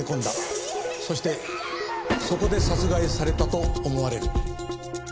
そしてそこで殺害されたと思われる。